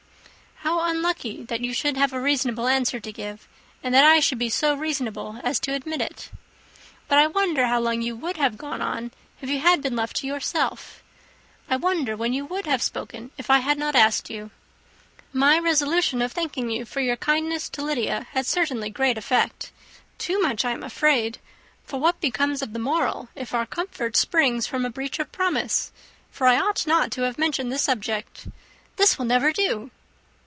"How unlucky that you should have a reasonable answer to give, and that I should be so reasonable as to admit it! But I wonder how long you would have gone on, if you had been left to yourself. I wonder when you would have spoken if I had not asked you! My resolution of thanking you for your kindness to Lydia had certainly great effect. Too much, I am afraid; for what becomes of the moral, if our comfort springs from a breach of promise, for I ought not to have mentioned the subject? This will never do."